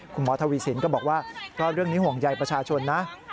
คุณหมอทวีสินก็บอกว่าก็เรื่องนี้ห่วงใยประชาชนนะ